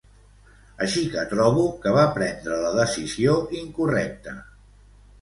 Així que trobo que va prendre la decisió incorrecta.